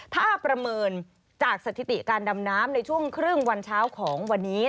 ถ้าประเมินจากสถิติการดำน้ำในช่วงครึ่งวันเช้าของวันนี้